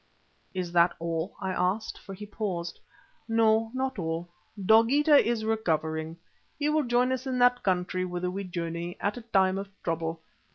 "Is that all?" I asked, for he paused. "No, not all. Dogeetah is recovering. He will join us in that country whither we journey, at a time of trouble.